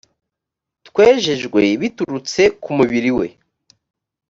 twejejwe biturutse ku mubiri we